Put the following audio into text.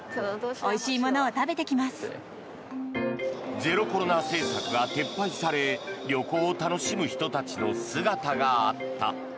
ゼロコロナ政策が撤廃され旅行を楽しむ人たちの姿があった。